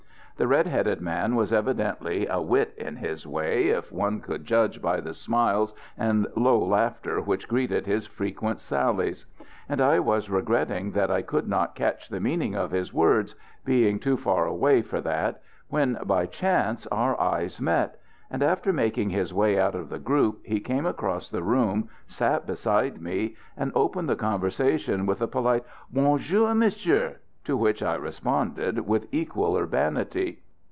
The red headed man was evidently a wit in his way, if one could judge by the smiles and low laughter which greeted his frequent sallies; and I was regretting that I could not catch the meaning of his words, being too far away for that, when by chance our eyes met; and after making his way out of the group, he came across the room, sat beside me, and opened the conversation with a polite "Bonjour, Monsieur!" to which I responded with equal urbanity.